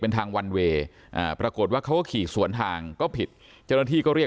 เป็นทางวันเวย์ปรากฏว่าเขาก็ขี่